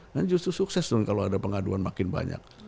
dan justru sukses dong kalau ada pengaduan makin banyak